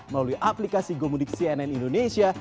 melalui aplikasi gomudik cnn indonesia